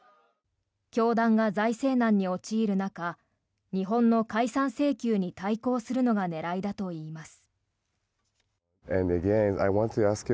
教団が財政難に陥る中日本の解散請求に対抗するのが狙いだといいます。